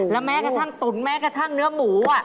แม้กระทั่งตุ๋นแม้กระทั่งเนื้อหมู